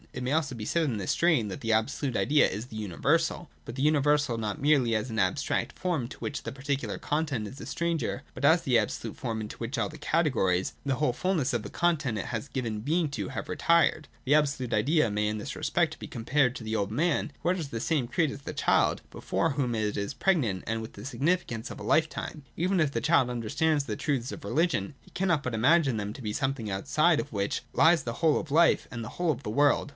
It may also be said in this strain that the absolute idea is the universal, but the universal not merely as an abstract form to which the particular content is a stranger, but as the absolute form, into which all the categories, the whole full ness of the content it has given being to, have retired. The absolute idea may in this respect be compared to the old V man who utters the same creed as the child, but for whom it " is pregnant with the significance of a Ufetime. Even if the child understands the truths of religion, he cannot but imagine them to be something outside of which Hes the whole of Ufe and the whole of the world.